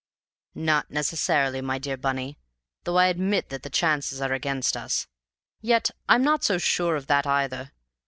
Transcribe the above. "Not necessarily, my dear Bunny, though I admit that the chances are against us. Yet I'm not so sure of that either.